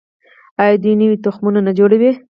آیا دوی نوي تخمونه نه جوړوي؟